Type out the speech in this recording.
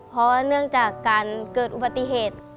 เพราะว่าเนื่องจากการเกิดอุบัติเหตุ